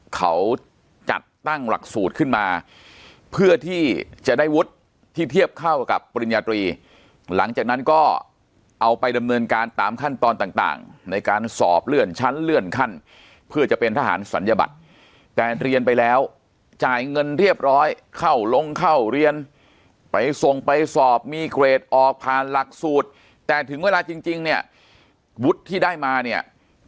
เขาจัดตั้งหลักสูตรขึ้นมาเพื่อที่จะได้วุฒิที่เทียบเข้ากับปริญญาตรีหลังจากนั้นก็เอาไปดำเนินการตามขั้นตอนต่างในการสอบเลื่อนชั้นเลื่อนขั้นเพื่อจะเป็นทหารศัลยบัตรแต่เรียนไปแล้วจ่ายเงินเรียบร้อยเข้าลงเข้าเรียนไปส่งไปสอบมีเกรดออกผ่านหลักสูตรแต่ถึงเวลาจริงเนี่ยวุฒิที่ได้มาเนี่ย